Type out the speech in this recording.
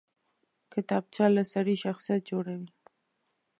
کتابچه له سړي شخصیت جوړوي